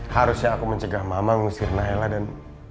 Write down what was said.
harusnya aku mencegah mama mengusir nela dan